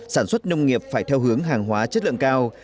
sản xuất nông nghiệp phải theo hướng hàng hóa chất lượng cao